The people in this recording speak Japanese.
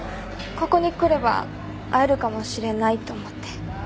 ここに来れば会えるかもしれないと思って。